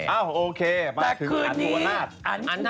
อ้าวโอเคมาคืออันผัวนาศ